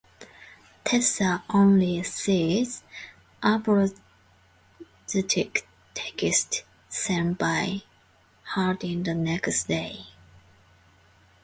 Tessa only sees apologetic texts sent by Hardin the next day.